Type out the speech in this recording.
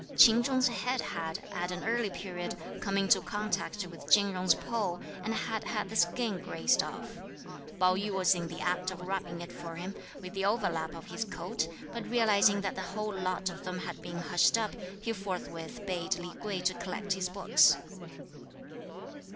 Ch'in Chung's head had, at an early period, come into contact with Chin Jung's pole and had had the skin grazed off. Pao yü was in the act of rubbing it for him, with the overlap of his coat, but realising that the whole lot of them had been hushed up, he forthwith bade Li Kuei collect his books.